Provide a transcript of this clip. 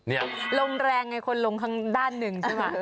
นี่ลมแรงไงคนลงทางด้านหนึ่งใช่ไหม